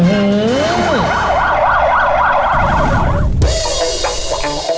ว้าว